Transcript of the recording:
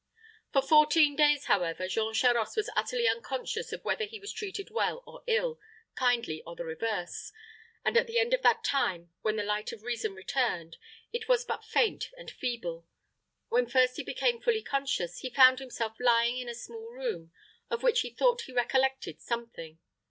For fourteen days, however, Jean Charost was utterly unconscious of whether he was treated well or ill, kindly or the reverse; and at the end of that time, when the light of reason returned, it was but faint and feeble. When first he became fully conscious, he found himself lying in a small room, of which he thought he recollected something.